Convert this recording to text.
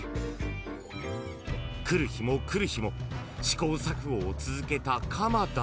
［来る日も来る日も試行錯誤を続けた鎌田］